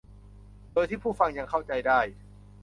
โดยที่ผู้ฟังยังเข้าใจได้